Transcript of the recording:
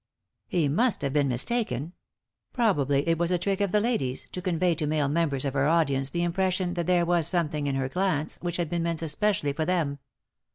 He must hare been mistaken ; probably it was a trick of the lady's, to convey to male members of her audience the impression that there was something in her glance which had been meant especially for them.